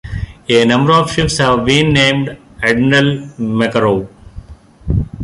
A number of ships have been named "Admiral Makarov".